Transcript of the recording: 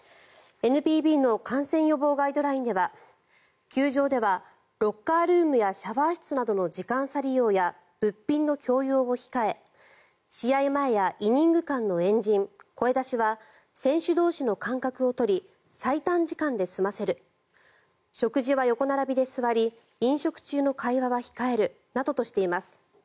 ＮＰＢの感染予防ガイドラインでは休場では、ロッカールームやシャワー室などの時間差利用や物品の共用を控え試合前やイニング間の円陣、声出しは選手同士の間隔を取り最短時間で済ませる食事は横並びで座り飲食中の会話は控えるなどとしています。